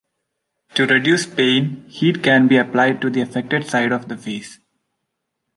To reduce pain, heat can be applied to the affected side of the face.